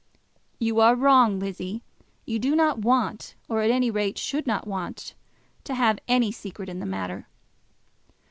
"You are wrong, Lizzie. You do not want, or at any rate should not want, to have any secret in the matter."